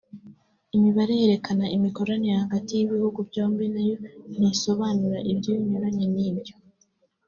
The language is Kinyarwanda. Imibare yerekana imikoranire hagati y’ibihugu byombi nayo ntisobanura ibinyuranye n’ibyo